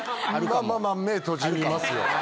まあまあまあ目閉じますよ。